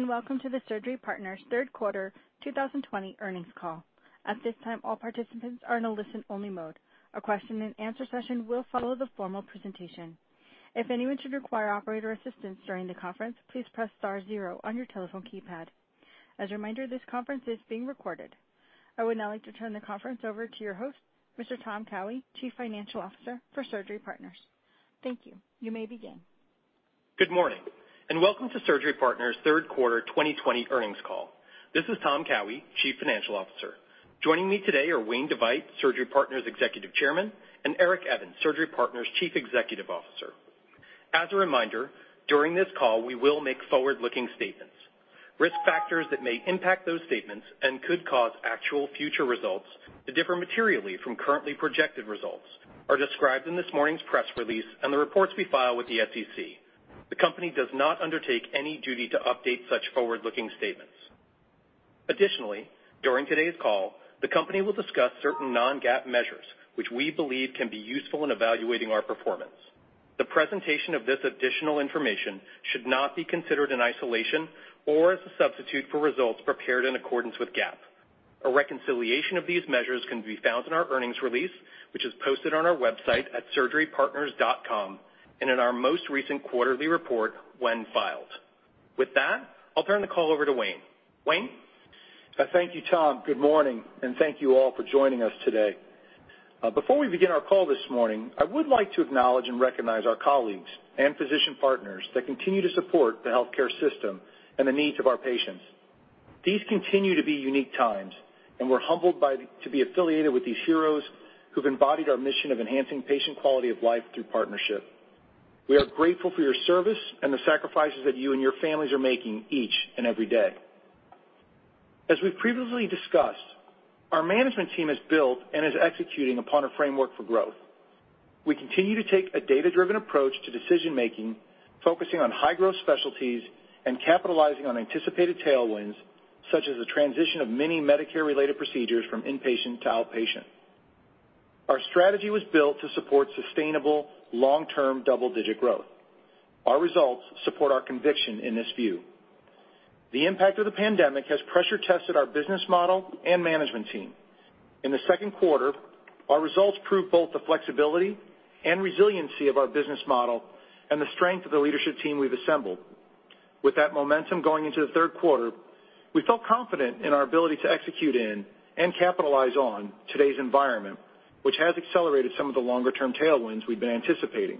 Greetings, and welcome to the Surgery Partners Third Quarter 2020 Earnings Call. I would now like to turn the conference over to your host, Mr. Tom Cowhey, Chief Financial Officer for Surgery Partners. Thank you. You may begin. Good morning, welcome to Surgery Partners' third quarter 2020 earnings call. This is Tom Cowhey, Chief Financial Officer. Joining me today are Wayne DeVeydt, Surgery Partners' Executive Chairman, and Eric Evans, Surgery Partners' Chief Executive Officer. As a reminder, during this call, we will make forward-looking statements. Risk factors that may impact those statements and could cause actual future results to differ materially from currently projected results are described in this morning's press release and the reports we file with the SEC. The company does not undertake any duty to update such forward-looking statements. Additionally, during today's call, the company will discuss certain non-GAAP measures which we believe can be useful in evaluating our performance. The presentation of this additional information should not be considered in isolation or as a substitute for results prepared in accordance with GAAP. A reconciliation of these measures can be found in our earnings release, which is posted on our website at surgerypartners.com and in our most recent quarterly report when filed. With that, I'll turn the call over to Wayne. Wayne? Thank you, Tom. Good morning. Thank you all for joining us today. Before we begin our call this morning, I would like to acknowledge and recognize our colleagues and physician partners that continue to support the healthcare system and the needs of our patients. These continue to be unique times. We're humbled to be affiliated with these heroes who've embodied our mission of enhancing patient quality of life through partnership. We are grateful for your service and the sacrifices that you and your families are making each and every day. As we've previously discussed, our management team has built and is executing upon a framework for growth. We continue to take a data-driven approach to decision-making, focusing on high-growth specialties and capitalizing on anticipated tailwinds, such as the transition of many Medicare-related procedures from inpatient to outpatient. Our strategy was built to support sustainable, long-term double-digit growth. Our results support our conviction in this view. The impact of the pandemic has pressure-tested our business model and management team. In the second quarter, our results proved both the flexibility and resiliency of our business model and the strength of the leadership team we've assembled. With that momentum going into the third quarter, we felt confident in our ability to execute in and capitalize on today's environment, which has accelerated some of the longer-term tailwinds we've been anticipating.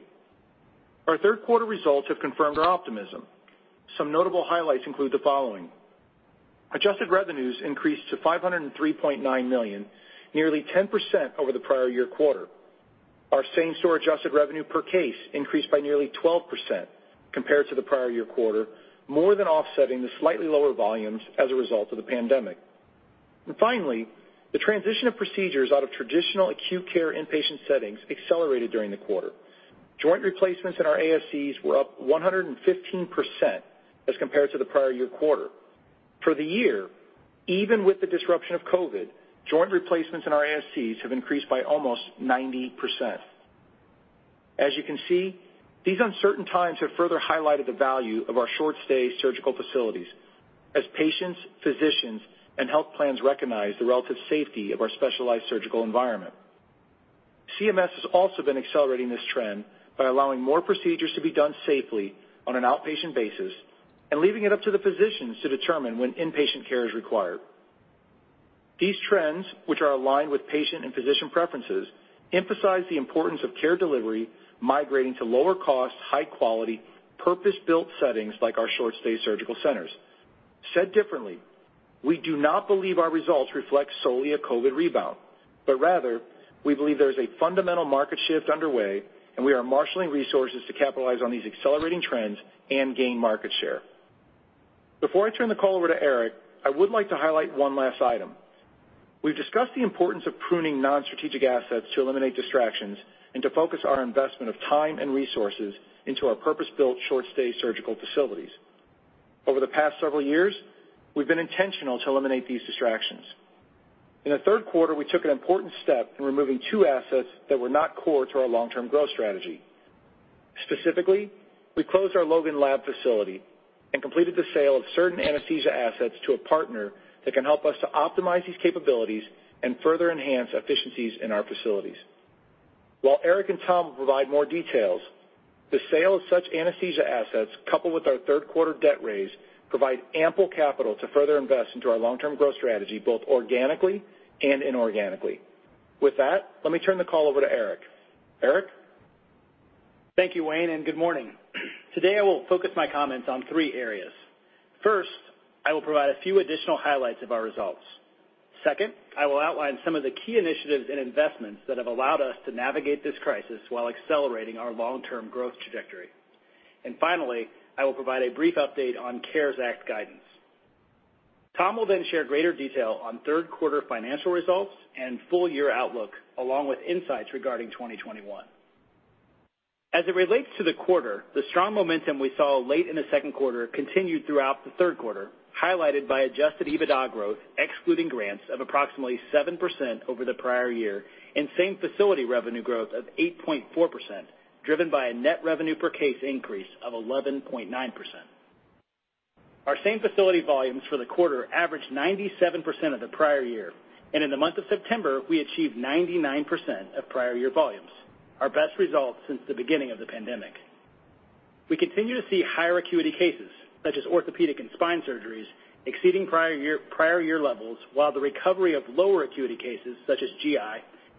Our third quarter results have confirmed our optimism. Some notable highlights include the following. Adjusted revenues increased to $503.9 million, nearly 10% over the prior year quarter. Our same-store adjusted revenue per case increased by nearly 12% compared to the prior year quarter, more than offsetting the slightly lower volumes as a result of the pandemic. Finally, the transition of procedures out of traditional acute care inpatient settings accelerated during the quarter. Joint replacements in our ASCs were up 115% as compared to the prior year quarter. For the year, even with the disruption of COVID, joint replacements in our ASCs have increased by almost 90%. As you can see, these uncertain times have further highlighted the value of our short-stay surgical facilities as patients, physicians, and health plans recognize the relative safety of our specialized surgical environment. CMS has also been accelerating this trend by allowing more procedures to be done safely on an outpatient basis and leaving it up to the physicians to determine when inpatient care is required. These trends, which are aligned with patient and physician preferences, emphasize the importance of care delivery migrating to lower cost, high quality, purpose-built settings like our short-stay surgical centers. Said differently, we do not believe our results reflect solely a COVID rebound, but rather, we believe there is a fundamental market shift underway, and we are marshaling resources to capitalize on these accelerating trends and gain market share. Before I turn the call over to Eric, I would like to highlight one last item. We've discussed the importance of pruning non-strategic assets to eliminate distractions and to focus our investment of time and resources into our purpose-built short-stay surgical facilities. Over the past several years, we've been intentional to eliminate these distractions. In the third quarter, we took an important step in removing two assets that were not core to our long-term growth strategy. Specifically, we closed our Logan Laboratories facility and completed the sale of certain anesthesia assets to a partner that can help us to optimize these capabilities and further enhance efficiencies in our facilities. While Eric and Tom will provide more details, the sale of such anesthesia assets, coupled with our third quarter debt raise, provide ample capital to further invest into our long-term growth strategy, both organically and inorganically. With that, let me turn the call over to Eric. Eric? Thank you, Wayne, and good morning. Today, I will focus my comments on three areas. First, I will provide a few additional highlights of our results. Second, I will outline some of the key initiatives and investments that have allowed us to navigate this crisis while accelerating our long-term growth trajectory. Finally, I will provide a brief update on CARES Act guidance. Tom will then share greater detail on third quarter financial results and full year outlook, along with insights regarding 2021. As it relates to the quarter, the strong momentum we saw late in the second quarter continued throughout the third quarter, highlighted by Adjusted EBITDA growth, excluding grants, of approximately 7% over the prior year and same-facility revenue growth of 8.4%, driven by a net revenue per case increase of 11.9%. Our same facility volumes for the quarter averaged 97% of the prior year, and in the month of September, we achieved 99% of prior year volumes, our best results since the beginning of the pandemic. We continue to see higher acuity cases, such as orthopedic and spine surgeries, exceeding prior year levels, while the recovery of lower acuity cases, such as GI,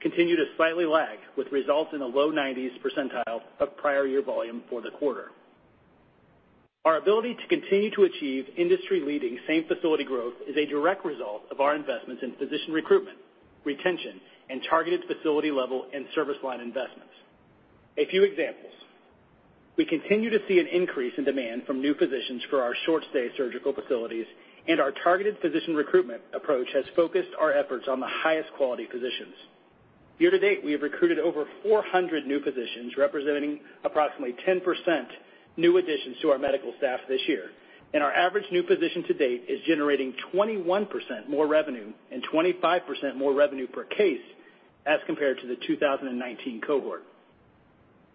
continue to slightly lag with results in the low 90s percentile of prior year volume for the quarter. Our ability to continue to achieve industry-leading same-facility growth is a direct result of our investments in physician recruitment, retention, and targeted facility level and service line investments. A few examples. We continue to see an increase in demand from new physicians for our short-stay surgical facilities. Our targeted physician recruitment approach has focused our efforts on the highest quality physicians. Year-to-date, we have recruited over 400 new physicians, representing approximately 10% new additions to our medical staff this year. Our average new physician to date is generating 21% more revenue and 25% more revenue per case as compared to the 2019 cohort.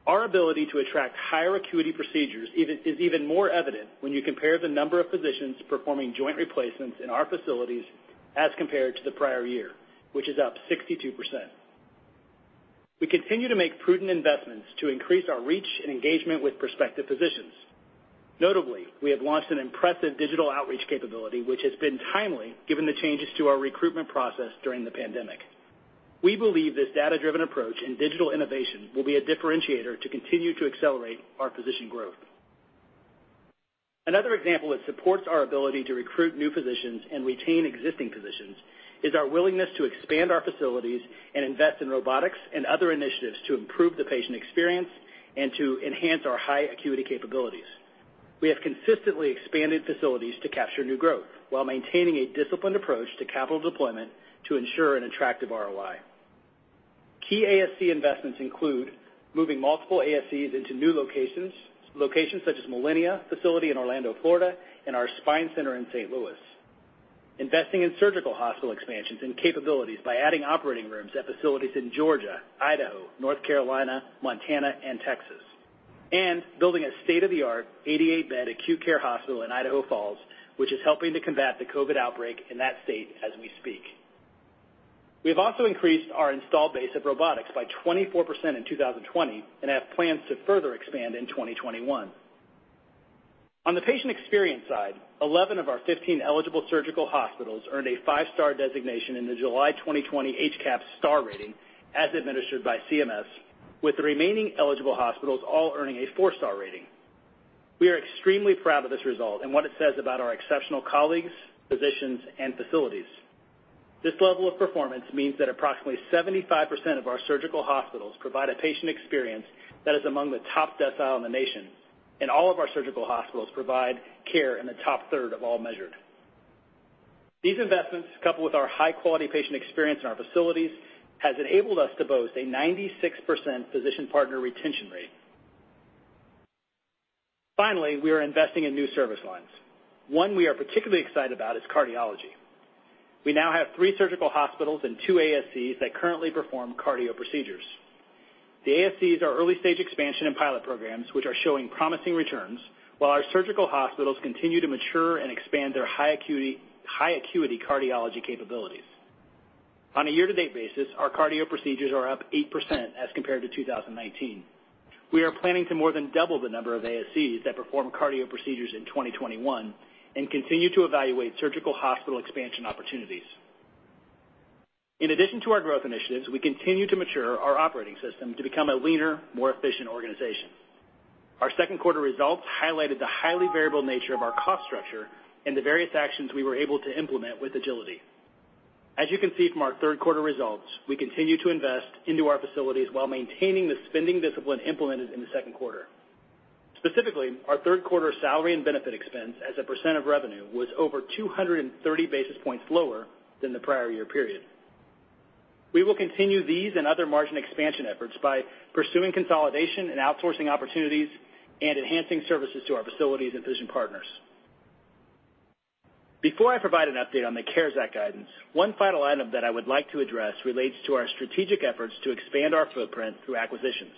Our ability to attract higher acuity procedures is even more evident when you compare the number of physicians performing joint replacements in our facilities as compared to the prior year, which is up 62%. We continue to make prudent investments to increase our reach and engagement with prospective physicians. Notably, we have launched an impressive digital outreach capability, which has been timely given the changes to our recruitment process during the pandemic. We believe this data-driven approach in digital innovation will be a differentiator to continue to accelerate our physician growth. Another example that supports our ability to recruit new physicians and retain existing physicians is our willingness to expand our facilities and invest in robotics and other initiatives to improve the patient experience and to enhance our high acuity capabilities. We have consistently expanded facilities to capture new growth while maintaining a disciplined approach to capital deployment to ensure an attractive ROI. Key ASC investments include moving multiple ASCs into new locations such as Millenia facility in Orlando, Florida, and our spine center in St. Louis. Investing in surgical hospital expansions and capabilities by adding operating rooms at facilities in Georgia, Idaho, North Carolina, Montana, and Texas. Building a state-of-the-art 88-bed acute care hospital in Idaho Falls, which is helping to combat the COVID outbreak in that state as we speak. We have also increased our installed base of robotics by 24% in 2020 and have plans to further expand in 2021. On the patient experience side, 11 of our 15 eligible surgical hospitals earned a 5-star designation in the July 2020 HCAHPS star rating as administered by CMS, with the remaining eligible hospitals all earning a 4-star rating. We are extremely proud of this result and what it says about our exceptional colleagues, physicians, and facilities. This level of performance means that approximately 75% of our surgical hospitals provide a patient experience that is among the top decile in the nation, and all of our surgical hospitals provide care in the top third of all measured. These investments, coupled with our high-quality patient experience in our facilities, has enabled us to boast a 96% physician partner retention rate. Finally, we are investing in new service lines. One we are particularly excited about is cardiology. We now have 3 surgical hospitals and 2 ASCs that currently perform cardio procedures. The ASCs are early stage expansion and pilot programs, which are showing promising returns, while our surgical hospitals continue to mature and expand their high acuity cardiology capabilities. On a year-to-date basis, our cardio procedures are up 8% as compared to 2019. We are planning to more than double the number of ASCs that perform cardio procedures in 2021 and continue to evaluate surgical hospital expansion opportunities. In addition to our growth initiatives, we continue to mature our operating system to become a leaner, more efficient organization. Our second quarter results highlighted the highly variable nature of our cost structure and the various actions we were able to implement with agility. As you can see from our third quarter results, we continue to invest into our facilities while maintaining the spending discipline implemented in the second quarter. Specifically, our third quarter salary and benefit expense as a % of revenue was over 230 basis points lower than the prior year period. We will continue these and other margin expansion efforts by pursuing consolidation and outsourcing opportunities and enhancing services to our facilities and physician partners. Before I provide an update on the CARES Act guidance, one final item that I would like to address relates to our strategic efforts to expand our footprint through acquisitions.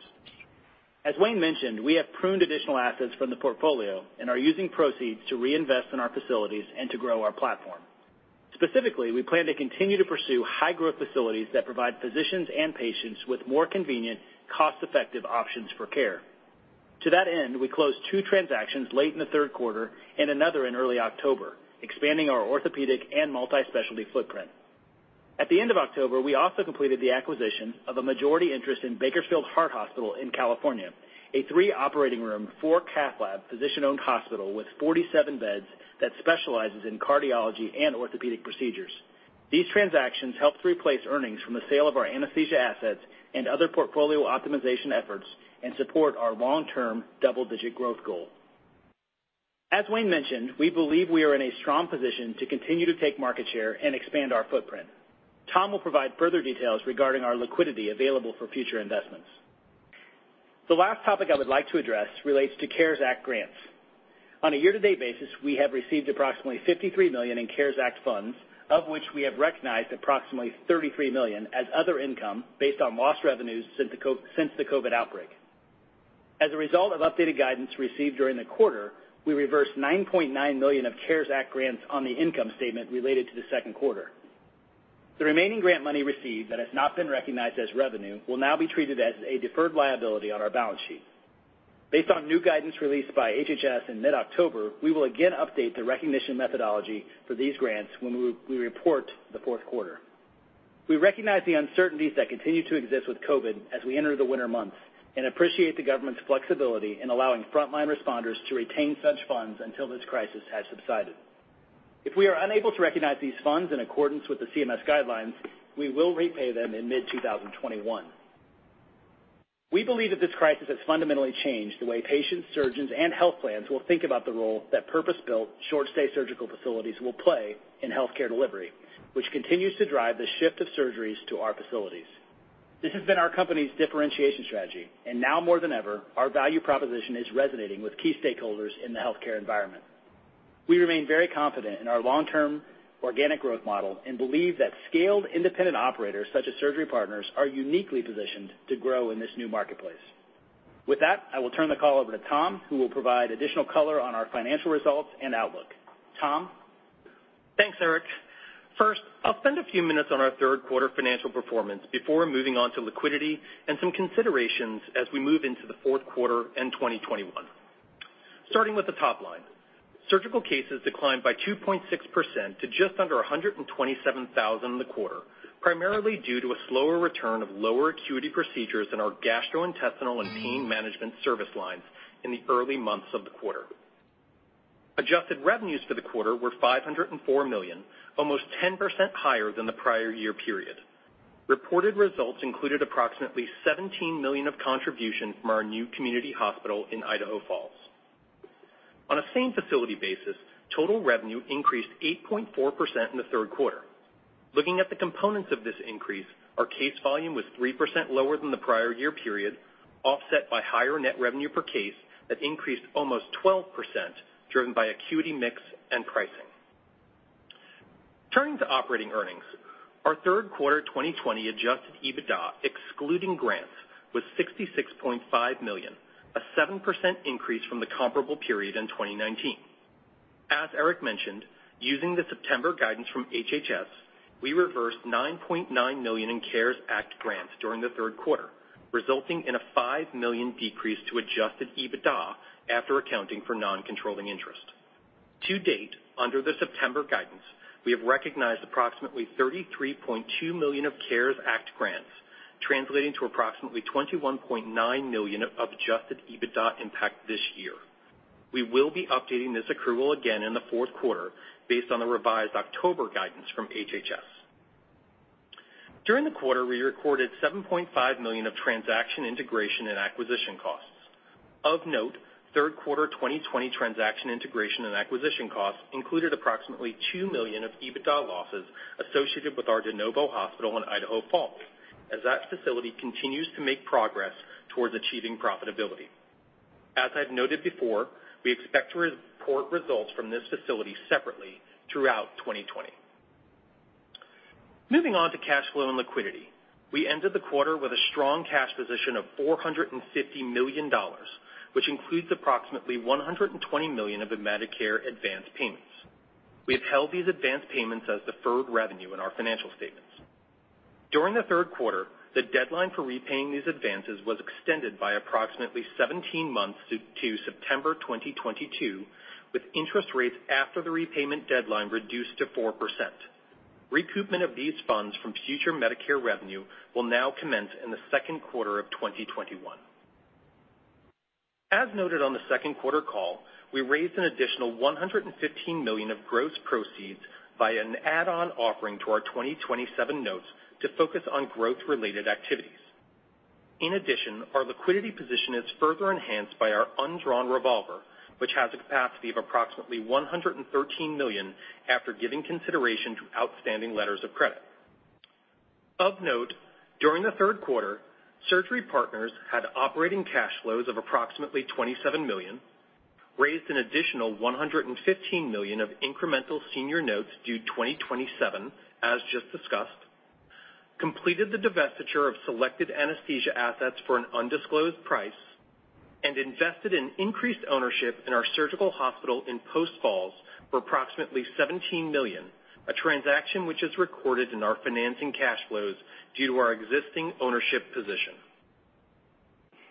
As Wayne mentioned, we have pruned additional assets from the portfolio and are using proceeds to reinvest in our facilities and to grow our platform. Specifically, we plan to continue to pursue high growth facilities that provide physicians and patients with more convenient, cost-effective options for care. To that end, we closed two transactions late in the third quarter and another in early October, expanding our orthopedic and multi-specialty footprint. At the end of October, we also completed the acquisition of a majority interest in Bakersfield Heart Hospital in California, a three operating room, four cath lab, physician-owned hospital with 47 beds that specializes in cardiology and orthopedic procedures. These transactions helped replace earnings from the sale of our anesthesia assets and other portfolio optimization efforts and support our long-term double-digit growth goal. As Wayne mentioned, we believe we are in a strong position to continue to take market share and expand our footprint. Tom will provide further details regarding our liquidity available for future investments. The last topic I would like to address relates to CARES Act grants. On a year-to-date basis, we have received approximately $53 million in CARES Act funds, of which we have recognized approximately $33 million as other income based on lost revenues since the COVID outbreak. As a result of updated guidance received during the quarter, we reversed $9.9 million of CARES Act grants on the income statement related to the second quarter. The remaining grant money received that has not been recognized as revenue will now be treated as a deferred liability on our balance sheet. Based on new guidance released by HHS in mid-October, we will again update the recognition methodology for these grants when we report the fourth quarter. We recognize the uncertainties that continue to exist with COVID as we enter the winter months and appreciate the government's flexibility in allowing frontline responders to retain such funds until this crisis has subsided. If we are unable to recognize these funds in accordance with the CMS guidelines, we will repay them in mid-2021. We believe that this crisis has fundamentally changed the way patients, surgeons, and health plans will think about the role that purpose-built, short-stay surgical facilities will play in healthcare delivery, which continues to drive the shift of surgeries to our facilities. This has been our company's differentiation strategy, and now more than ever, our value proposition is resonating with key stakeholders in the healthcare environment. We remain very confident in our long-term organic growth model and believe that scaled independent operators such as Surgery Partners are uniquely positioned to grow in this new marketplace. With that, I will turn the call over to Tom, who will provide additional color on our financial results and outlook. Tom? Thanks, Eric. First, I'll spend a few minutes on our third quarter financial performance before moving on to liquidity and some considerations as we move into the fourth quarter and 2021. Starting with the top line, surgical cases declined by 2.6% to just under 127,000 in the quarter, primarily due to a slower return of lower acuity procedures in our gastrointestinal and pain management service lines in the early months of the quarter. Adjusted revenues for the quarter were $504 million, almost 10% higher than the prior year period. Reported results included approximately $17 million of contribution from our new community hospital in Idaho Falls. On a same facility basis, total revenue increased 8.4% in the third quarter. Looking at the components of this increase, our case volume was 3% lower than the prior year period, offset by higher net revenue per case that increased almost 12%, driven by acuity mix and pricing. Turning to operating earnings, our third quarter 2020 Adjusted EBITDA, excluding grants, was $66.5 million, a 7% increase from the comparable period in 2019. As Eric mentioned, using the September guidance from HHS, we reversed $9.9 million in CARES Act grants during the third quarter, resulting in a $5 million decrease to Adjusted EBITDA after accounting for non-controlling interest. To date, under the September guidance, we have recognized approximately $33.2 million of CARES Act grants, translating to approximately $21.9 million of Adjusted EBITDA impact this year. We will be updating this accrual again in the fourth quarter based on the revised October guidance from HHS. During the quarter, we recorded $7.5 million of transaction integration and acquisition costs. Of note, third quarter 2020 transaction integration and acquisition costs included approximately $2 million of EBITDA losses associated with our de novo hospital in Idaho Falls, as that facility continues to make progress towards achieving profitability. As I've noted before, we expect to report results from this facility separately throughout 2020. Moving on to cash flow and liquidity, we ended the quarter with a strong cash position of $450 million, which includes approximately $120 million of Medicare advanced payments. We have held these advanced payments as deferred revenue in our financial statements. During the third quarter, the deadline for repaying these advances was extended by approximately 17 months to September 2022, with interest rates after the repayment deadline reduced to 4%. Recoupment of these funds from future Medicare revenue will now commence in the second quarter of 2021. As noted on the second quarter call, we raised an additional $115 million of gross proceeds by an add-on offering to our 2027 notes to focus on growth-related activities. In addition, our liquidity position is further enhanced by our undrawn revolver, which has a capacity of approximately $113 million after giving consideration to outstanding letters of credit. Of note, during the third quarter, Surgery Partners had operating cash flows of approximately $27 million, raised an additional $115 million of incremental senior notes due 2027, as just discussed, completed the divestiture of selected anesthesia assets for an undisclosed price, and invested in increased ownership in our surgical hospital in Post Falls for approximately $17 million, a transaction which is recorded in our financing cash flows due to our existing ownership position.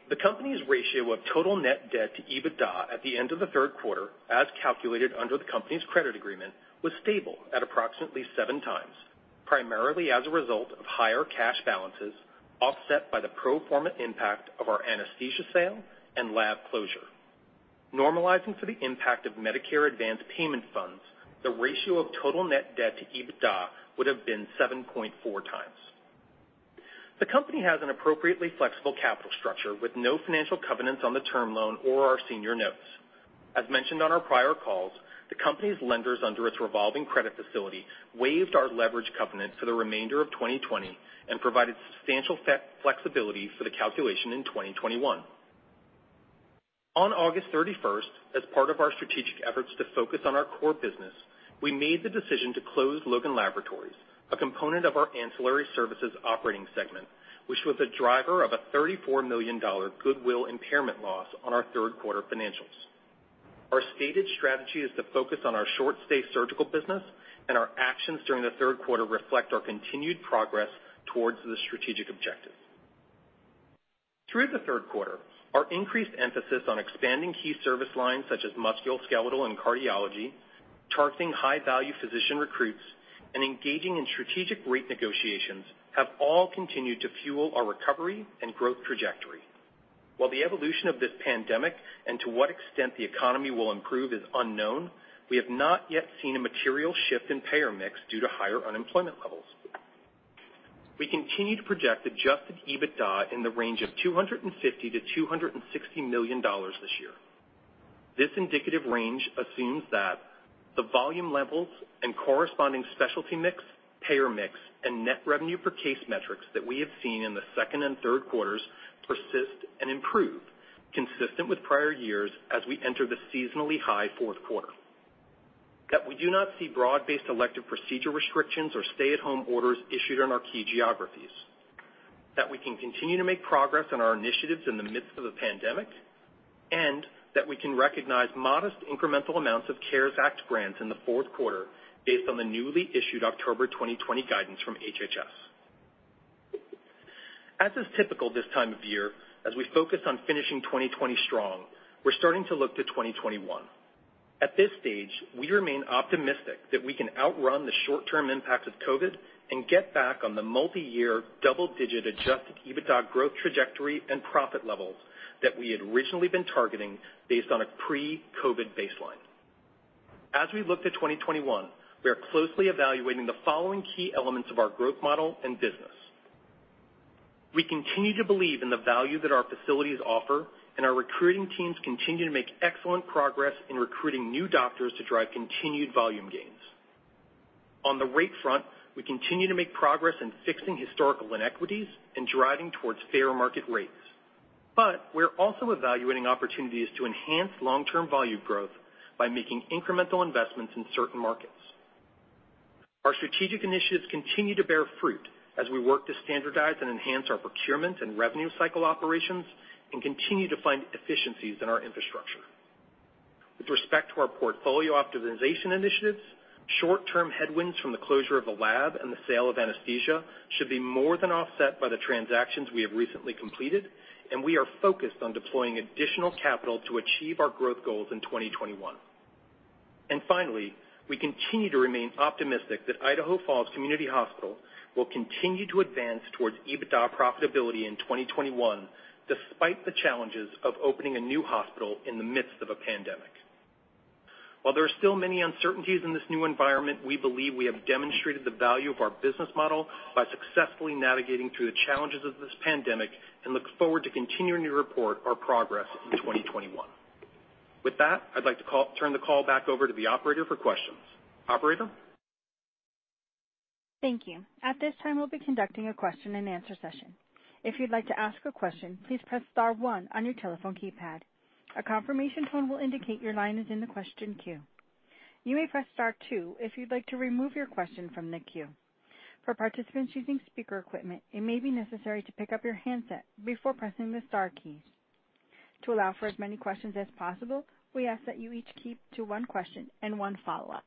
The company's ratio of total net debt to EBITDA at the end of the third quarter, as calculated under the company's credit agreement, was stable at approximately 7x, primarily as a result of higher cash balances offset by the pro forma impact of our anesthesia sale and lab closure. Normalizing for the impact of Medicare advanced payment funds, the ratio of total net debt to EBITDA would have been 7.4x. The company has an appropriately flexible capital structure with no financial covenants on the term loan or our senior notes. As mentioned on our prior calls, the company's lenders under its revolving credit facility waived our leverage covenant for the remainder of 2020 and provided substantial flexibility for the calculation in 2021. On August 31st, as part of our strategic efforts to focus on our core business, we made the decision to close Logan Laboratories, a component of our ancillary services operating segment, which was a driver of a $34 million goodwill impairment loss on our third quarter financials. Our stated strategy is to focus on our short stay surgical business, and our actions during the third quarter reflect our continued progress towards the strategic objective. Through the third quarter, our increased emphasis on expanding key service lines such as musculoskeletal and cardiology, targeting high-value physician recruits, and engaging in strategic rate negotiations have all continued to fuel our recovery and growth trajectory. While the evolution of this pandemic and to what extent the economy will improve is unknown, we have not yet seen a material shift in payer mix due to higher unemployment levels. We continue to project Adjusted EBITDA in the range of $250 million-$260 million this year. This indicative range assumes that the volume levels and corresponding specialty mix, payer mix, and net revenue per case metrics that we have seen in the second and third quarters persist and improve, consistent with prior years as we enter the seasonally high fourth quarter. That we do not see broad-based elective procedure restrictions or stay-at-home orders issued in our key geographies. We can continue to make progress on our initiatives in the midst of the pandemic, and we can recognize modest incremental amounts of CARES Act grants in the fourth quarter based on the newly issued October 2020 guidance from HHS. Is typical this time of year, as we focus on finishing 2020 strong, we're starting to look to 2021. At this stage, we remain optimistic that we can outrun the short-term impacts of COVID and get back on the multi-year double-digit Adjusted EBITDA growth trajectory and profit levels that we had originally been targeting based on a pre-COVID baseline. We look to 2021, we are closely evaluating the following key elements of our growth model and business. We continue to believe in the value that our facilities offer, our recruiting teams continue to make excellent progress in recruiting new doctors to drive continued volume gains. On the rate front, we continue to make progress in fixing historical inequities and driving towards fair market rates. We're also evaluating opportunities to enhance long-term volume growth by making incremental investments in certain markets. Our strategic initiatives continue to bear fruit as we work to standardize and enhance our procurement and revenue cycle operations and continue to find efficiencies in our infrastructure. With respect to our portfolio optimization initiatives, short-term headwinds from the closure of the lab and the sale of anesthesia should be more than offset by the transactions we have recently completed, and we are focused on deploying additional capital to achieve our growth goals in 2021. Finally, we continue to remain optimistic that Idaho Falls Community Hospital will continue to advance towards EBITDA profitability in 2021, despite the challenges of opening a new hospital in the midst of a pandemic. While there are still many uncertainties in this new environment, we believe we have demonstrated the value of our business model by successfully navigating through the challenges of this pandemic and look forward to continuing to report our progress in 2021. With that, I'd like to turn the call back over to the operator for questions. Operator? Thank you. At this time, we'll be conducting a question-and-answer session. If you'd like to ask a question, please press star one on your telephone keypad. A confirmation tone will indicate your line is in the question queue. You may press star two if you'd like to remove your question from the queue. For participants using speaker equipment, it may be necessary to pick up your handset before pressing the star keys. To allow for as many questions as possible, we ask that you each keep to one question and one follow-up.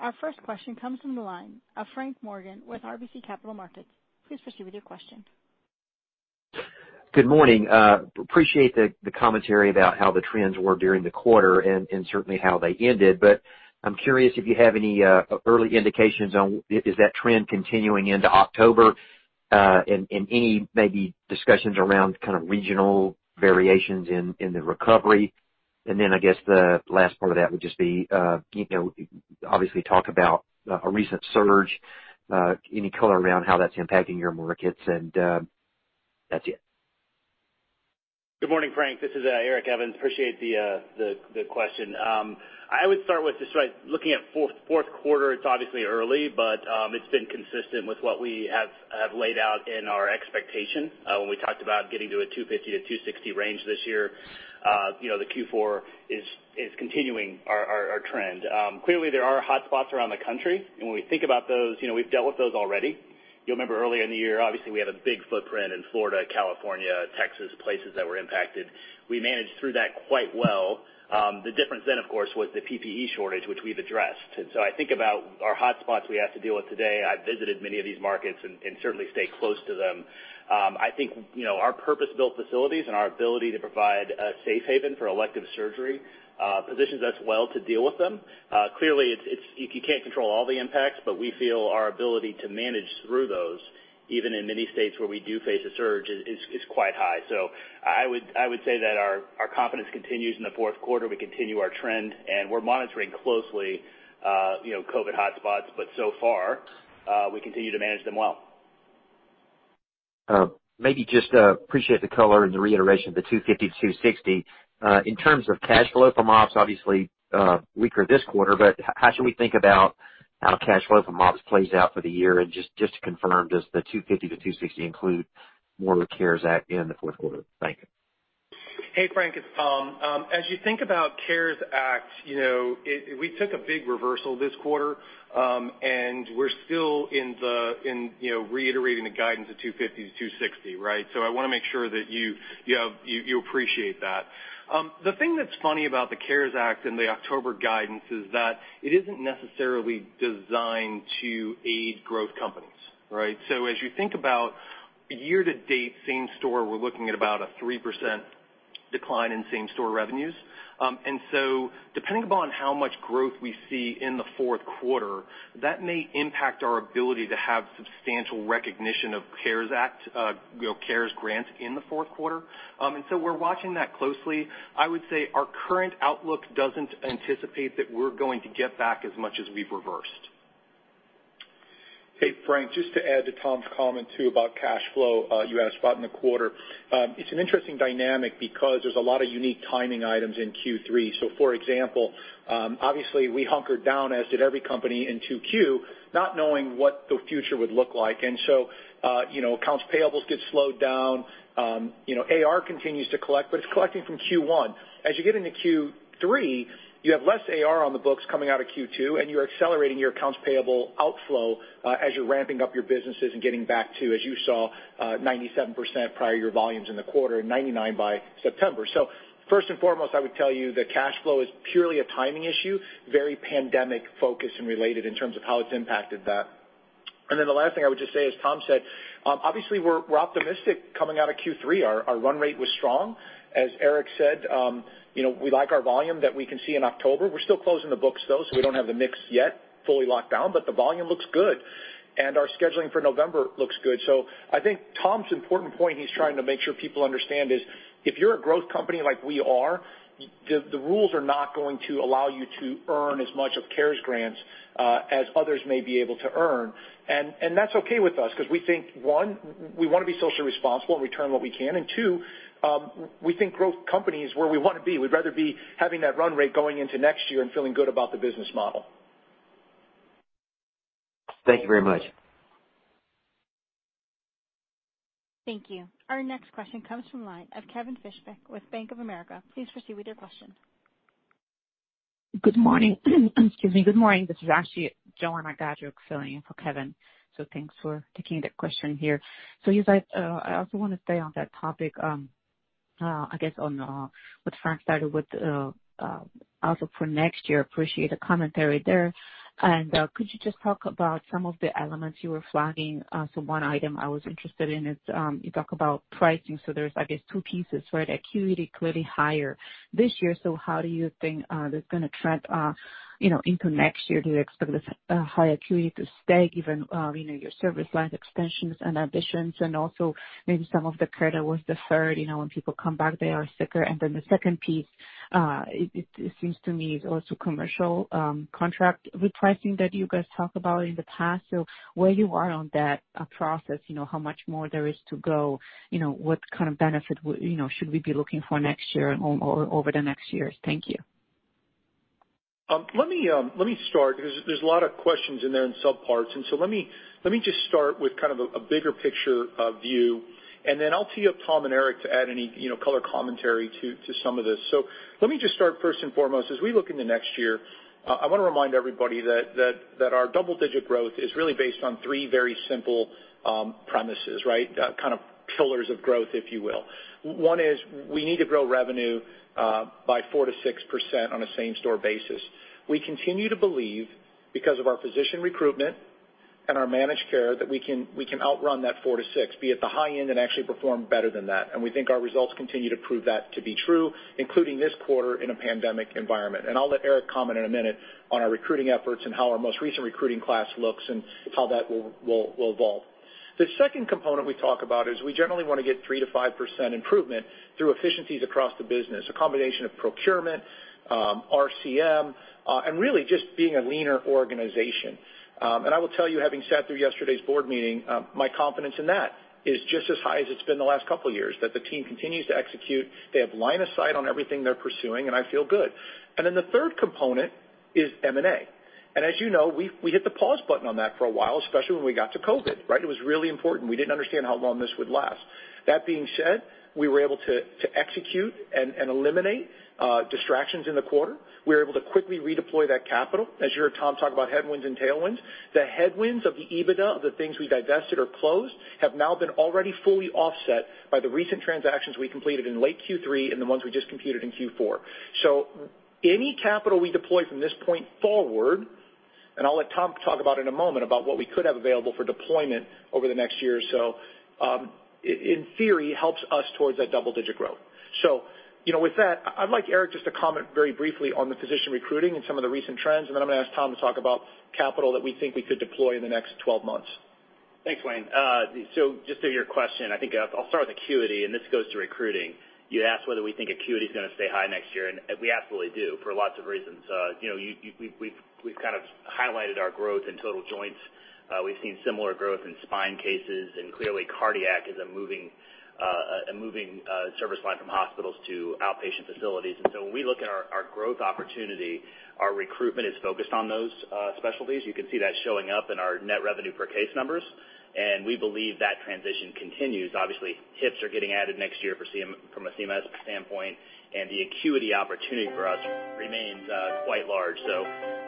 Our first question comes from the line of Frank Morgan with RBC Capital Markets. Please proceed with your question. Good morning. Appreciate the commentary about how the trends were during the quarter and certainly how they ended. I'm curious if you have any early indications on, is that trend continuing into October? Any maybe discussions around kind of regional variations in the recovery. I guess the last part of that would just be, obviously talk about a recent surge, any color around how that's impacting your markets. That's it. Good morning, Frank Morgan. This is Eric Evans. Appreciate the question. I would start with just like looking at fourth quarter, it's obviously early, it's been consistent with what we have laid out in our expectation. When we talked about getting to a 250 to 260 range this year, the Q4 is continuing our trend. Clearly, there are hot spots around the country, when we think about those, we've dealt with those already. You'll remember earlier in the year, obviously, we had a big footprint in Florida, California, Texas, places that were impacted. We managed through that quite well. The difference then, of course, was the PPE shortage, which we've addressed. I think about our hotspots we have to deal with today. I visited many of these markets certainly stay close to them. I think our purpose-built facilities and our ability to provide a safe haven for elective surgery positions us well to deal with them. Clearly, you can't control all the impacts, but we feel our ability to manage through those, even in many states where we do face a surge, is quite high. I would say that our confidence continues in the fourth quarter. We continue our trend, and we're monitoring closely COVID hotspots, but so far, we continue to manage them well. Appreciate the color and the reiteration of the 250, 260. In terms of cash flow from ops, obviously weaker this quarter, how should we think about how cash flow from ops plays out for the year? Just to confirm, does the 250 to 260 include more of the CARES Act in the fourth quarter? Thank you. Hey, Frank, it's Tom. As you think about CARES Act, we took a big reversal this quarter, we're still reiterating the guidance of $250-$260, right? I want to make sure that you appreciate that. The thing that's funny about the CARES Act and the October guidance is that it isn't necessarily designed to aid growth companies, right? As you think about year-to-date same-store, we're looking at about a 3% decline in same-store revenues. Depending upon how much growth we see in the fourth quarter, that may impact our ability to have substantial recognition of CARES Act, CARES grants in the fourth quarter. We're watching that closely. I would say our current outlook doesn't anticipate that we're going to get back as much as we've reversed. Hey, Frank, just to add to Tom's comment, too, about cash flow, you asked about in the quarter. It's an interesting dynamic because there's a lot of unique timing items in Q3. For example, obviously we hunkered down, as did every company in 2Q, not knowing what the future would look like. Accounts payables get slowed down. AR continues to collect, but it's collecting from Q1. As you get into Q3, you have less AR on the books coming out of Q2, and you're accelerating your accounts payable outflow as you're ramping up your businesses and getting back to, as you saw, 97% prior year volumes in the quarter and 99% by September. First and foremost, I would tell you that cash flow is purely a timing issue, very pandemic-focused and related in terms of how it's impacted that. The last thing I would just say, as Tom said, obviously we're optimistic coming out of Q3. Our run rate was strong. As Eric said, we like our volume that we can see in October. We're still closing the books, though, so we don't have the mix yet fully locked down, but the volume looks good, and our scheduling for November looks good. I think Tom's important point he's trying to make sure people understand is, if you're a growth company like we are, the rules are not going to allow you to earn as much of CARES grants as others may be able to earn. That's okay with us because we think, one, we want to be socially responsible and return what we can, and two, we think growth company is where we want to be. We'd rather be having that run rate going into next year and feeling good about the business model. Thank you very much. Thank you. Our next question comes from the line of Kevin Fischbeck with Bank of America. Please proceed with your question. Good morning. Excuse me. Good morning. This is actually Joanna Gajuk filling in for Kevin Fischbeck. Thanks for taking the question here. I also want to stay on that topic, I guess, on what Frank Morgan started with also for next year. Appreciate the commentary there. Could you just talk about some of the elements you were flagging? One item I was interested in is you talk about pricing. There's, I guess, two pieces, right? Acuity clearly higher this year. How do you think that's going to trend into next year? Do you expect this higher acuity to stay given your service line expansions and additions and also maybe some of the credit was deferred? When people come back, they are sicker. The second piece, it seems to me, is also commercial contract repricing that you guys talk about in the past. Where you are on that process, how much more there is to go, what kind of benefit should we be looking for next year or over the next years? Thank you. Let me start because there's a lot of questions in there in subparts. Let me just start with kind of a bigger picture view, then I'll tee up Tom and Eric to add any color commentary to some of this. Let me just start first and foremost. As we look into next year, I want to remind everybody that our double-digit growth is really based on three very simple premises, right? Kind of pillars of growth, if you will. One is we need to grow revenue by 4%-6% on a same-store basis. We continue to believe because of our physician recruitment and our managed care, that we can outrun that 4%-6%, be at the high end, and actually perform better than that. We think our results continue to prove that to be true, including this quarter in a pandemic environment. I'll let Eric comment in a minute on our recruiting efforts and how our most recent recruiting class looks and how that will evolve. The second component we talk about is we generally want to get 3% to 5% improvement through efficiencies across the business. A combination of procurement, RCM, and really just being a leaner organization. I will tell you, having sat through yesterday's board meeting, my confidence in that is just as high as it's been the last couple of years, that the team continues to execute. They have line of sight on everything they're pursuing, and I feel good. Then the third component is M&A. As you know, we hit the pause button on that for a while, especially when we got to COVID, right? It was really important. We didn't understand how long this would last. That being said, we were able to execute and eliminate distractions in the quarter. We were able to quickly redeploy that capital. As you heard Tom talk about headwinds and tailwinds, the headwinds of the EBITDA of the things we divested or closed have now been already fully offset by the recent transactions we completed in late Q3 and the ones we just completed in Q4. Any capital we deploy from this point forward, and I'll let Tom talk about in a moment about what we could have available for deployment over the next year or so, in theory, helps us towards that double-digit growth. With that, I'd like Eric just to comment very briefly on the physician recruiting and some of the recent trends, and then I'm going to ask Tom to talk about capital that we think we could deploy in the next 12 months. Thanks, Wayne. Just to your question, I think I'll start with acuity, and this goes to recruiting. You asked whether we think acuity is going to stay high next year, and we absolutely do for lots of reasons. We've kind of highlighted our growth in total joints. We've seen similar growth in spine cases, and clearly cardiac is a moving service line from hospitals to outpatient facilities. When we look at our growth opportunity, our recruitment is focused on those specialties. You can see that showing up in our net revenue per case numbers, and we believe that transition continues. Obviously, hips are getting added next year from a CMS standpoint, and the acuity opportunity for us remains quite large.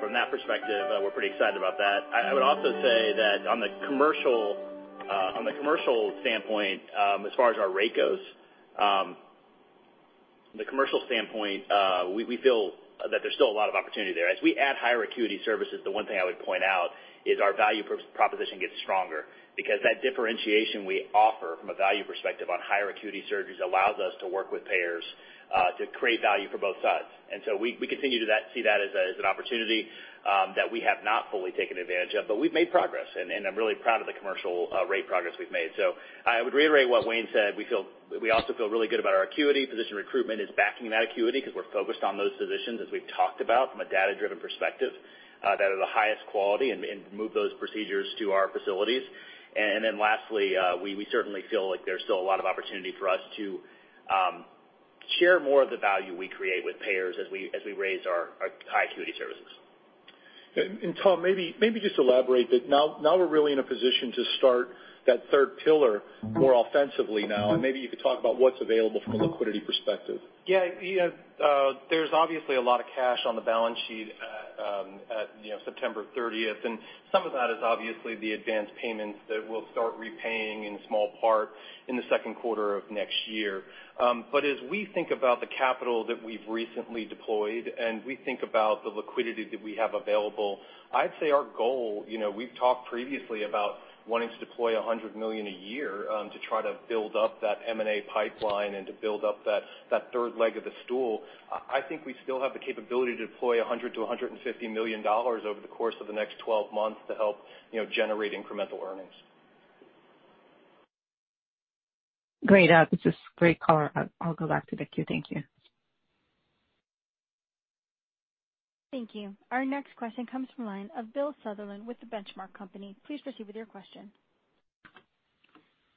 From that perspective, we're pretty excited about that. I would also say that on the commercial standpoint, as far as our rates goes, we feel that there's still a lot of opportunity there. As we add higher acuity services, the one thing I would point out is our value proposition gets stronger because that differentiation we offer from a value perspective on higher acuity surgeries allows us to work with payers to create value for both sides. We continue to see that as an opportunity that we have not fully taken advantage of. But we've made progress, and I'm really proud of the commercial rate progress we've made. I would reiterate what Wayne said. We also feel really good about our acuity. Physician recruitment is backing that acuity because we're focused on those physicians, as we've talked about from a data-driven perspective, that are the highest quality and move those procedures to our facilities. Lastly, we certainly feel like there's still a lot of opportunity for us to share more of the value we create with payers as we raise our high acuity services. Tom, maybe just elaborate, but now we're really in a position to start that third pillar more offensively now. Maybe you could talk about what's available from a liquidity perspective. Yeah. There's obviously a lot of cash on the balance sheet at September 30th, and some of that is obviously the advanced payments that we'll start repaying in small part in the second quarter of next year. As we think about the capital that we've recently deployed and we think about the liquidity that we have available, I'd say our goal, we've talked previously about wanting to deploy $100 million a year to try to build up that M&A pipeline and to build up that third leg of the stool. I think we still have the capability to deploy $100 million-$150 million over the course of the next 12 months to help generate incremental earnings. Great. This is a great call. I'll go back to the queue. Thank you. Thank you. Our next question comes from the line of Bill Sutherland with The Benchmark Company. Please proceed with your question.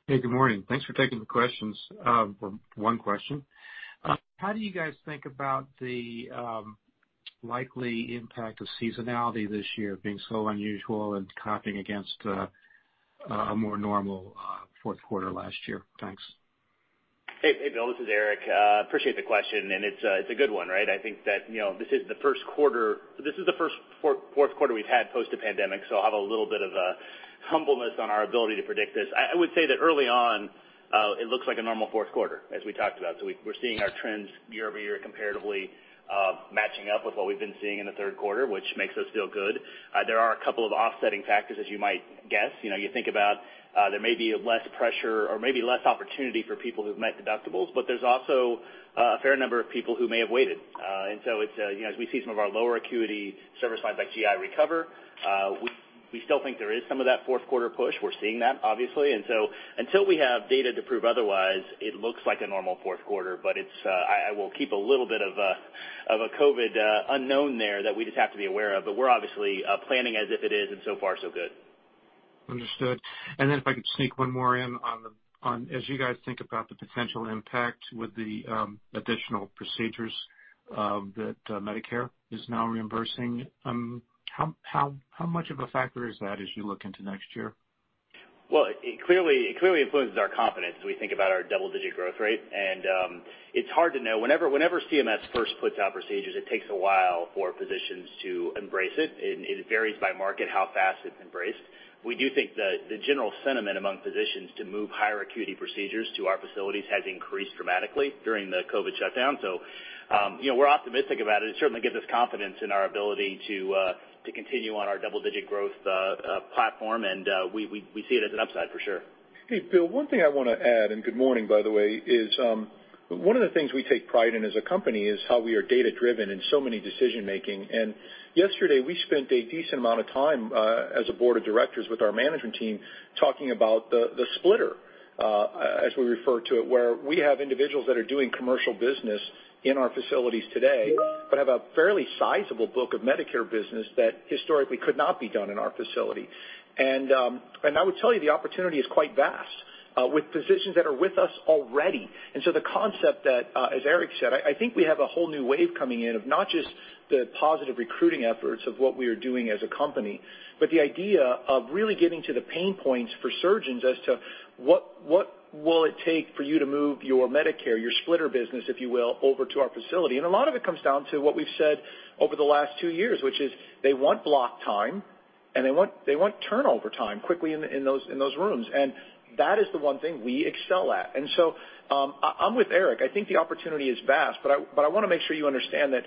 Hey, good morning. Thanks for taking the questions. Well, one question. How do you guys think about the likely impact of seasonality this year being so unusual and comping against a more normal fourth quarter last year? Thanks. Hey, Bill. This is Eric. Appreciate the question, and it's a good one, right? I think that this is the first fourth quarter we've had post the pandemic, so I'll have a little bit of a humbleness on our ability to predict this. I would say that early on, it looks like a normal fourth quarter, as we talked about. We're seeing our trends year-over-year comparatively matching up with what we've been seeing in the third quarter, which makes us feel good. There are a couple of offsetting factors, as you might guess. You think about there may be less pressure or maybe less opportunity for people who've met deductibles, but there's also a fair number of people who may have waited. As we see some of our lower acuity service lines like GI recover, we still think there is some of that fourth quarter push. We're seeing that, obviously. Until we have data to prove otherwise, it looks like a normal fourth quarter. I will keep a little bit of a COVID unknown there that we just have to be aware of. We're obviously planning as if it is, and so far, so good. Understood. If I could sneak one more in on, as you guys think about the potential impact with the additional procedures that Medicare is now reimbursing, how much of a factor is that as you look into next year? Well, it clearly influences our confidence as we think about our double-digit growth rate. It's hard to know. Whenever CMS first puts out procedures, it takes a while for physicians to embrace it. It varies by market how fast it's embraced. We do think that the general sentiment among physicians to move higher acuity procedures to our facilities has increased dramatically during the COVID shutdown. We're optimistic about it. It certainly gives us confidence in our ability to continue on our double-digit growth platform. We see it as an upside for sure. Hey, Bill, one thing I want to add, and good morning, by the way, is one of the things we take pride in as a company is how we are data-driven in so many decision making. Yesterday, we spent a decent amount of time as a board of directors with our management team talking about the splitter, as we refer to it, where we have individuals that are doing commercial business in our facilities today, but have a fairly sizable book of Medicare business that historically could not be done in our facility. I would tell you, the opportunity is quite vast with physicians that are with us already. The concept that, as Eric said, I think we have a whole new wave coming in of not just the positive recruiting efforts of what we are doing as a company, but the idea of really getting to the pain points for surgeons as to what will it take for you to move your Medicare, your splitter business, if you will, over to our facility. A lot of it comes down to what we've said over the last two years, which is they want block time, and they want turnover time quickly in those rooms. That is the one thing we excel at. I'm with Eric. I think the opportunity is vast, but I want to make sure you understand that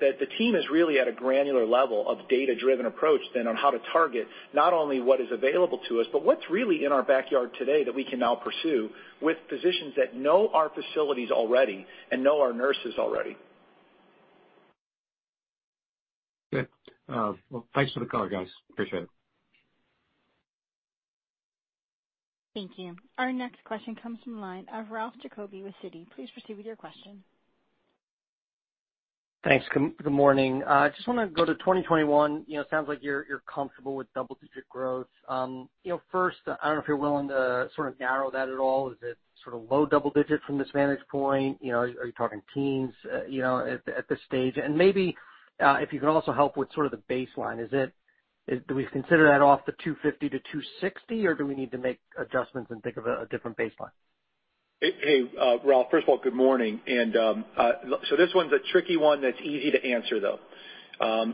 the team is really at a granular level of data-driven approach then on how to target not only what is available to us, but what's really in our backyard today that we can now pursue with physicians that know our facilities already and know our nurses already. Good. Well, thanks for the call, guys. Appreciate it. Thank you. Our next question comes from the line of Ralph Giacobbe with Citi. Please proceed with your question. Thanks. Good morning. I just want to go to 2021. It sounds like you're comfortable with double-digit growth. First, I don't know if you're willing to sort of narrow that at all. Is it sort of low double digit from this vantage point? Are you talking teens at this stage? Maybe if you can also help with sort of the baseline. Do we consider that off the $250 million-$260 million, or do we need to make adjustments and think of a different baseline? Hey, Ralph. First of all, good morning. This one's a tricky one that's easy to answer, though.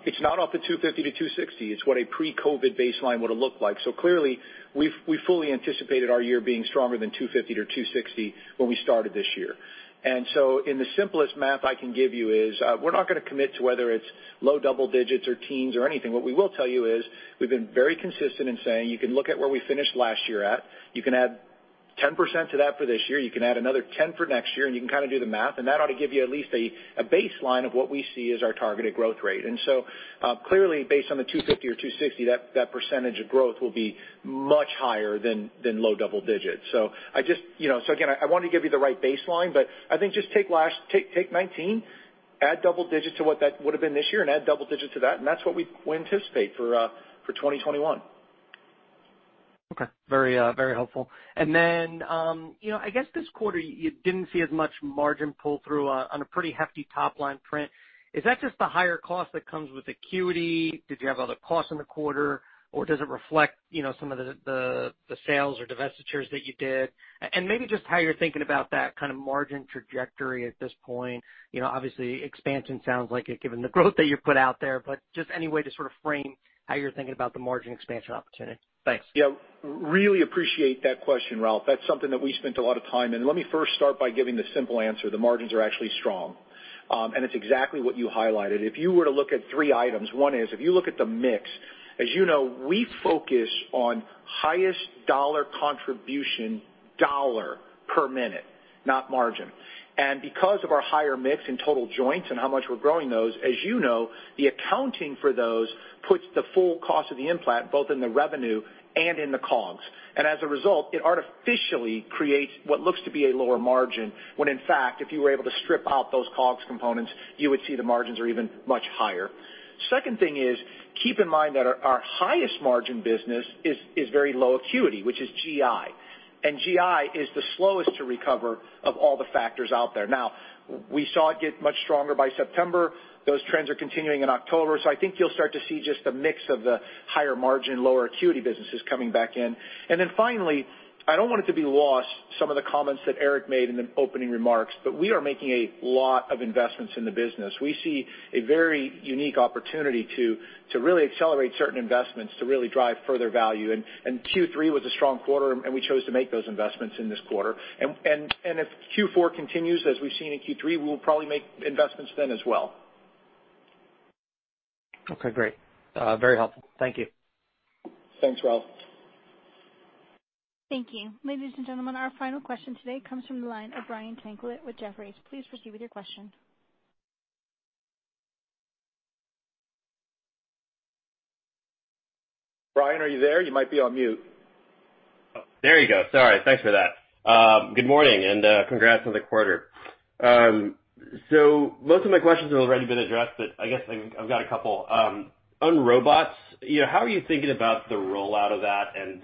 It's not off the $250 million-$260 million. It's what a pre-COVID baseline would have looked like. Clearly, we fully anticipated our year being stronger than $250 million-$260 million when we started this year. The simplest math I can give you is, we're not going to commit to whether it's low double digits or teens or anything. What we will tell you is, we've been very consistent in saying you can look at where we finished last year at. You can add 10% to that for this year. You can add another 10 for next year, and you can kind of do the math, and that ought to give you at least a baseline of what we see as our targeted growth rate. Clearly, based on the $250 million or $260 million, that percentage of growth will be much higher than low double digits. Again, I want to give you the right baseline, but I think just take 2019, add double digits to what that would've been this year, and add double digits to that, and that's what we anticipate for 2021. Okay. Very helpful. I guess this quarter, you didn't see as much margin pull-through on a pretty hefty top-line print. Is that just the higher cost that comes with acuity? Did you have other costs in the quarter, or does it reflect some of the sales or divestitures that you did? Maybe just how you're thinking about that kind of margin trajectory at this point. Obviously, expansion sounds like it, given the growth that you've put out there, but just any way to sort of frame how you're thinking about the margin expansion opportunity. Thanks. Yeah. Really appreciate that question, Ralph. That's something that we spent a lot of time in. Let me first start by giving the simple answer. The margins are actually strong, and it's exactly what you highlighted. If you were to look at three items, one is if you look at the mix, as you know, we focus on highest dollar contribution dollar per minute, not margin. Because of our higher mix in total joints and how much we're growing those, as you know, the accounting for those puts the full cost of the implant, both in the revenue and in the COGS. As a result, it artificially creates what looks to be a lower margin, when in fact, if you were able to strip out those COGS components, you would see the margins are even much higher. Second thing is, keep in mind that our highest margin business is very low acuity, which is GI. GI is the slowest to recover of all the factors out there. Now, we saw it get much stronger by September. Those trends are continuing in October. I think you'll start to see just a mix of the higher margin, lower acuity businesses coming back in. Finally, I don't want it to be lost, some of the comments that Eric made in the opening remarks, but we are making a lot of investments in the business. We see a very unique opportunity to really accelerate certain investments to really drive further value, Q3 was a strong quarter, we chose to make those investments in this quarter. If Q4 continues as we've seen in Q3, we'll probably make investments then as well. Okay, great. Very helpful. Thank you. Thanks, Ralph. Thank you. Ladies and gentlemen, our final question today comes from the line of Brian Tanquilut with Jefferies. Please proceed with your question. Brian, are you there? You might be on mute. There you go. Sorry. Thanks for that. Good morning, and congrats on the quarter. Most of my questions have already been addressed, but I guess I've got a couple. On robots, how are you thinking about the rollout of that, and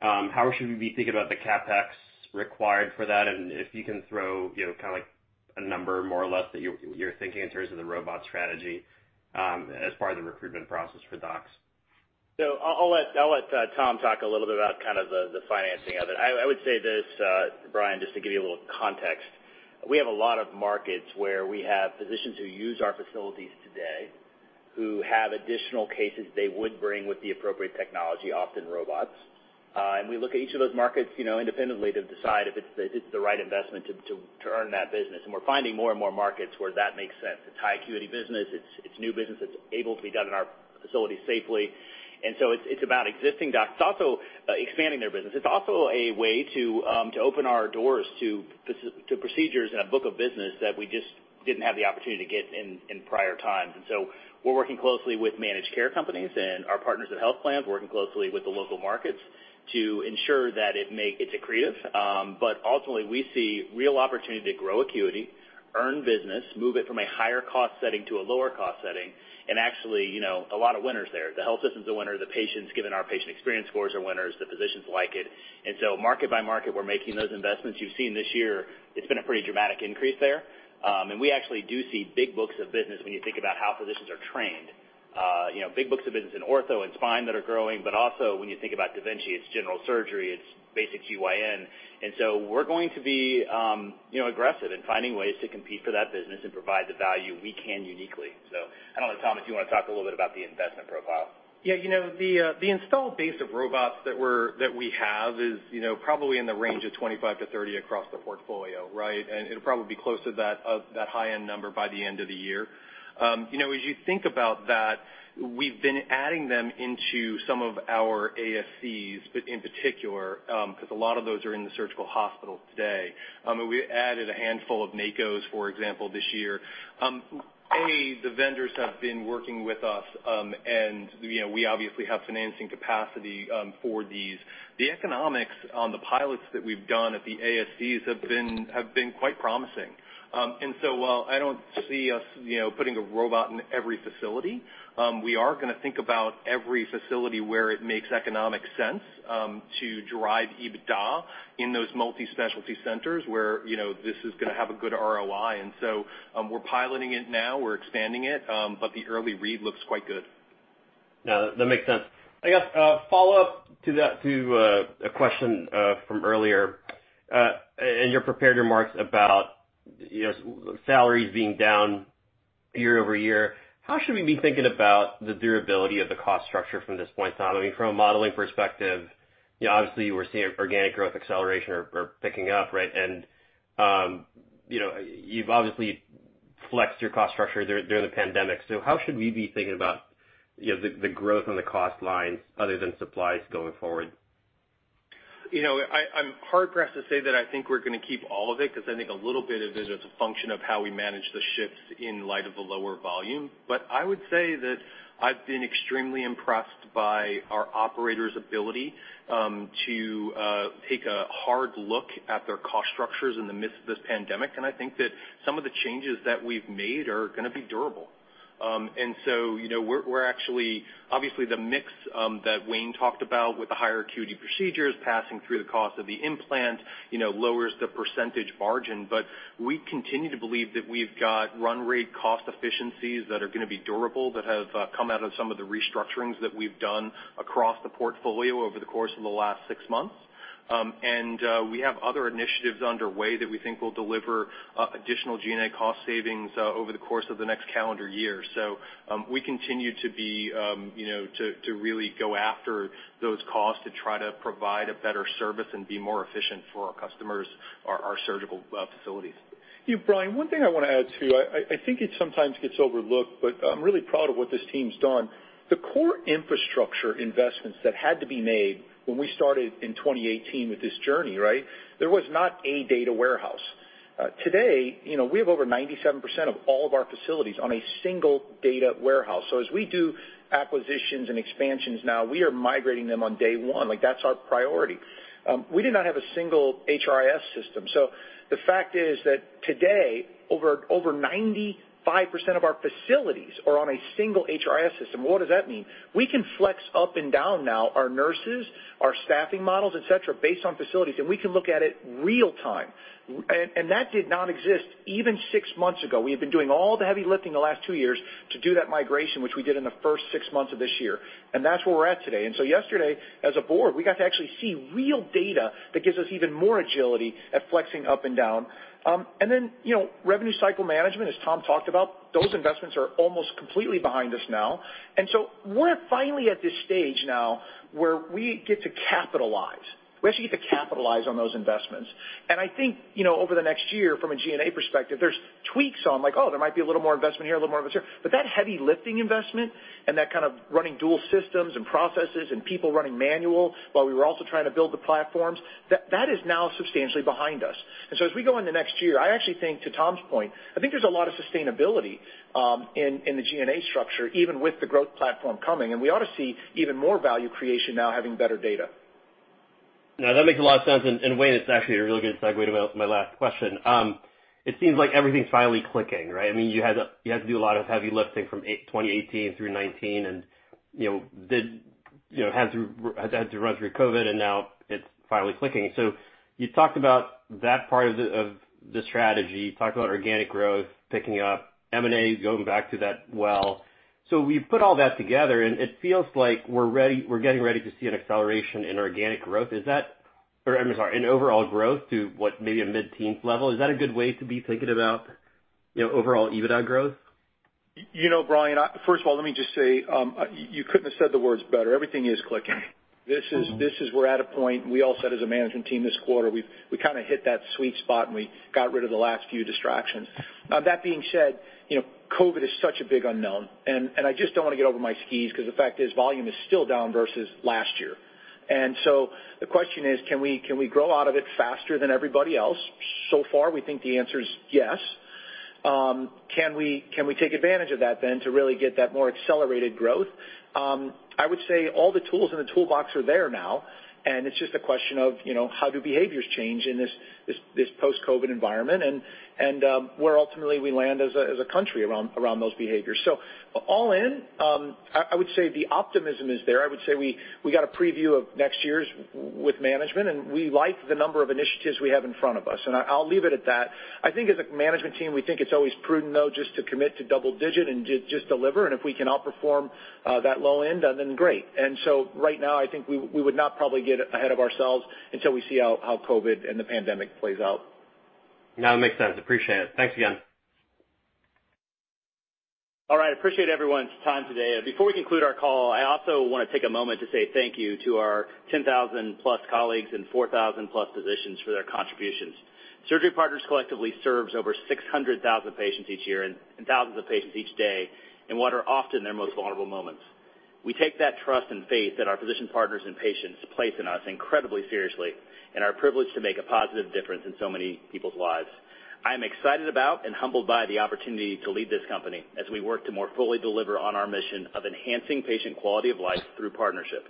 how should we be thinking about the CapEx required for that? If you can throw kind of like a number more or less that you're thinking in terms of the robot strategy as far as the recruitment process for docs. I'll let Tom talk a little bit about kind of the financing of it. I would say this, Brian, just to give you a little context. We have a lot of markets where we have physicians who use our facilities today who have additional cases they would bring with the appropriate technology, often robots. We look at each of those markets independently to decide if it's the right investment to earn that business, and we're finding more and more markets where that makes sense. It's high acuity business. It's new business that's able to be done in our facilities safely. It's about existing docs. It's also expanding their business. It's also a way to open our doors to procedures and a book of business that we just didn't have the opportunity to get in prior times. We are working closely with managed care companies and our partners at health plans, working closely with the local markets to ensure that it is accretive. Ultimately, we see real opportunity to grow acuity, earn business, move it from a higher cost setting to a lower cost setting, and actually a lot of winners there. The health system's a winner. The patients, given our patient experience scores, are winners. The physicians like it. Market by market, we are making those investments. You've seen this year it's been a pretty dramatic increase there. We actually do see big books of business when you think about how physicians are trained. Big books of business in ortho and spine that are growing, but also when you think about da Vinci, it's general surgery, it's basic GYN. We're going to be aggressive in finding ways to compete for that business and provide the value we can uniquely. I don't know, Tom, do you want to talk a little bit about the investment profile? Yeah. The installed base of robots that we have is probably in the range of 25-30 across the portfolio, right? It'll probably be close to that number by the end of the year. As you think about that, we've been adding them into some of our ASCs, but in particular, because a lot of those are in the surgical hospital today. We added a handful of Makos, for example, this year. The vendors have been working with us, and we obviously have financing capacity for these. The economics on the pilots that we've done at the ASCs have been quite promising. While I don't see us putting a robot in every facility, we are going to think about every facility where it makes economic sense to drive EBITDA in those multi-specialty centers where this is going to have a good ROI. We're piloting it now, we're expanding it, but the early read looks quite good. No, that makes sense. I guess a follow-up to a question from earlier, in your prepared remarks about salaries being down year-over-year. How should we be thinking about the durability of the cost structure from this point, Tom? I mean, from a modeling perspective, obviously we're seeing organic growth acceleration are picking up, right? You've obviously flexed your cost structure during the pandemic. How should we be thinking about the growth on the cost lines other than supplies going forward? I'm hard pressed to say that I think we're going to keep all of it, because I think a little bit of it is a function of how we manage the shifts in light of the lower volume. I would say that I've been extremely impressed by our operators' ability to take a hard look at their cost structures in the midst of this pandemic, and I think that some of the changes that we've made are going to be durable. Obviously the mix that Wayne talked about with the higher acuity procedures passing through the cost of the implant, lowers the percentage margin. We continue to believe that we've got run rate cost efficiencies that are going to be durable, that have come out of some of the restructurings that we've done across the portfolio over the course of the last six months. We have other initiatives underway that we think will deliver additional G&A cost savings over the course of the next calendar year. We continue to really go after those costs to try to provide a better service and be more efficient for our customers, our surgical facilities. Yeah, Brian, one thing I want to add, too. I think it sometimes gets overlooked, but I'm really proud of what this team's done. The core infrastructure investments that had to be made when we started in 2018 with this journey, right? There was not a data warehouse. Today, we have over 97% of all of our facilities on a single data warehouse. As we do acquisitions and expansions now, we are migrating them on day one. Like, that's our priority. We did not have a single HRIS system. The fact is that today, over 95% of our facilities are on a single HRIS system. What does that mean? We can flex up and down now our nurses, our staffing models, et cetera, based on facilities, and we can look at it real time. That did not exist even six months ago. We have been doing all the heavy lifting the last 2 years to do that migration, which we did in the first 6 months of this year, that's where we're at today. Yesterday, as a board, we got to actually see real data that gives us even more agility at flexing up and down. Revenue cycle management, as Tom talked about, those investments are almost completely behind us now. We're finally at this stage now where we get to capitalize. We actually get to capitalize on those investments. I think, over the next year from a G&A perspective, there's tweaks on like, oh, there might be a little more investment here, a little more investment here. That heavy lifting investment and that kind of running dual systems and processes and people running manual while we were also trying to build the platforms, that is now substantially behind us. As we go into next year, I actually think, to Tom's point, I think there's a lot of sustainability in the G&A structure, even with the growth platform coming, and we ought to see even more value creation now having better data. No, that makes a lot of sense. Wayne, it's actually a really good segue to my last question. It seems like everything's finally clicking, right? I mean, you had to do a lot of heavy lifting from 2018 through 2019, and had to run through COVID, and now it's finally clicking. You talked about that part of the strategy. You talked about organic growth picking up, M&A is going back to that well. We put all that together, and it feels like we're getting ready to see an acceleration in organic growth. Is that, or I'm sorry, in overall growth to what, maybe a mid-teens level? Is that a good way to be thinking about overall EBITDA growth? Brian, first of all, let me just say, you couldn't have said the words better. Everything is clicking. We're at a point, and we all said as a management team this quarter, we've kind of hit that sweet spot and we got rid of the last few distractions. Now, that being said, COVID is such a big unknown, and I just don't want to get over my skis because the fact is volume is still down versus last year. The question is: Can we grow out of it faster than everybody else? So far, we think the answer is yes. Can we take advantage of that then to really get that more accelerated growth? I would say all the tools in the toolbox are there now, and it's just a question of how do behaviors change in this post-COVID environment and where ultimately we land as a country around those behaviors. All in, I would say the optimism is there. I would say we got a preview of next year's with management, and we like the number of initiatives we have in front of us, and I'll leave it at that. I think as a management team, we think it's always prudent, though, just to commit to double digit and just deliver, and if we can outperform that low end, then great. Right now, I think we would not probably get ahead of ourselves until we see how COVID and the pandemic plays out. No, that makes sense. Appreciate it. Thanks again. All right. Appreciate everyone's time today. Before we conclude our call, I also want to take a moment to say thank you to our 10,000+ colleagues and 4,000+ physicians for their contributions. Surgery Partners collectively serves over 600,000 patients each year and thousands of patients each day in what are often their most vulnerable moments. We take that trust and faith that our physician partners and patients place in us incredibly seriously and are privileged to make a positive difference in so many people's lives. I am excited about and humbled by the opportunity to lead this company as we work to more fully deliver on our mission of enhancing patient quality of life through partnership.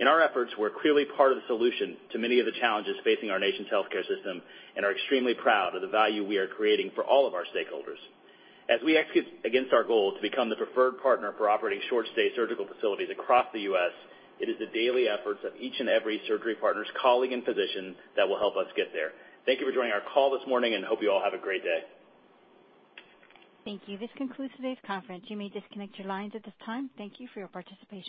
In our efforts, we're clearly part of the solution to many of the challenges facing our nation's healthcare system and are extremely proud of the value we are creating for all of our stakeholders. As we execute against our goal to become the preferred partner for operating short-stay surgical facilities across the U.S., it is the daily efforts of each and every Surgery Partners colleague and physician that will help us get there. Thank you for joining our call this morning, and hope you all have a great day. Thank you. This concludes today's conference. You may disconnect your lines at this time. Thank you for your participation.